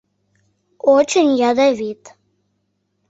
Очень ядовит».